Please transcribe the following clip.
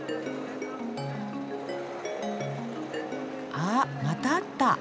あまたあった。